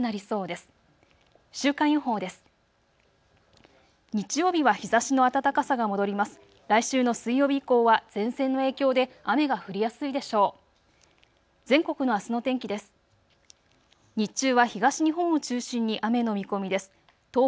来週の水曜日以降は前線の影響で雨が降りやすいでしょう。